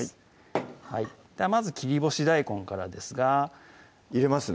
はいまず切り干し大根からですが入れますね